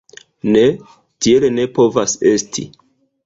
Ne, tiel ne povas esti!